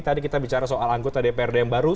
tadi kita bicara soal anggota dprd yang baru